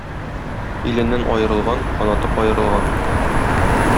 Иленнән аерылган — канаты каерылган.